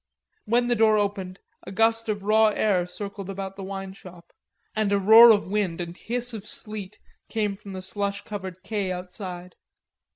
When the door opened a gust of raw air circled about the wine shop, and a roar of wind and hiss of sleet came from the slush covered quai outside.